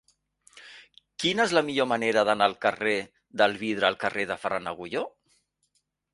Quina és la millor manera d'anar del carrer del Vidre al carrer de Ferran Agulló?